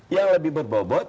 yang lebih berbobot